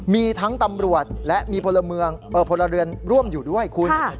มีทั้งตำรวจและมีพลเรือนร่วมอยู่ด้วยคุณ